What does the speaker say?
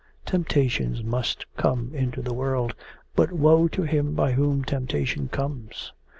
Temptations must come into the world, but woe to him by whom temptation comes.